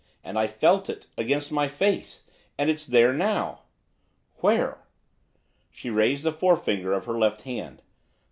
And I felt it against my face. And it's there now.' 'Where?' She raised the forefinger of her left hand.